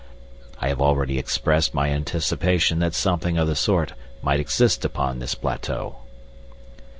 I have already expressed my anticipation that something of the sort might exist upon this plateau."